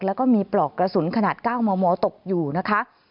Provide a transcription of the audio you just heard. แล้วก็มีปลอกกระสุนขนาด๙มมตกอยู่นะคะ